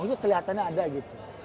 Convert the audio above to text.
oh itu kelihatannya ada gitu